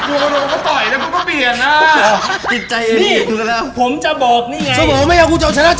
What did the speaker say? คุณไม่กลัวเกาโดนก็ต่อยแล้วก็เปลี่ยนอ่า